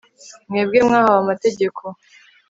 mwebwe mwahawe amategeko